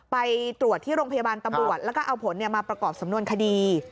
ไปตรวจที่โรงพยาบาลตำรวจแล้วก็เอาผลมาประกอบสำนวนคดี